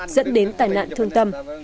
dẫn đến tài nạn thương tâm